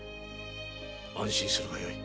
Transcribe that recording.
安心するがよい。